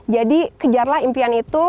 jadi kejarlah impian itu